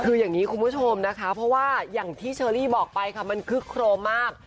คืออย่างนี้คุณผู้ชมนะคะเพราะว่าอย่างที่เชอรี่บอกไปค่ะมันคึกโครมมาก